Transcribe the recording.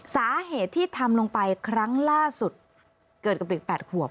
สาเหตุที่ทำลงไปครั้งล่าสุดเกิดกับเด็ก๘ขวบ